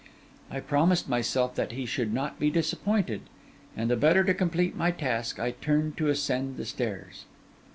I promised myself that he should not be disappointed; and the better to complete my task, I turned to ascend the stairs.